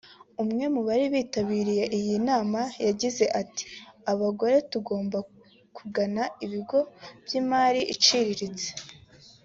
umwe mu bari bitabiriye iyi nama yagize ati “Abagore tugomba kugana ibigo by’imari iciriritse